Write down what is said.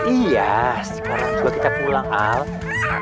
iya sekarang kita pulang aja